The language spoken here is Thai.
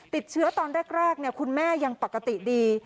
ติดเชื้อตอนแรกคุณแม่ยังปกติดี